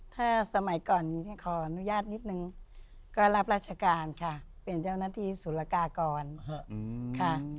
ถ้าสมัยก่อนขออนุญาตนิดนึงก็รับราชการค่ะเป็นเจ้าหน้าที่ศูนย์ละกากรค่ะ